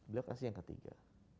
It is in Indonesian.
dia kasih yang ketiga